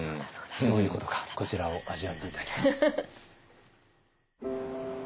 どういうことかこちらを味わって頂きます。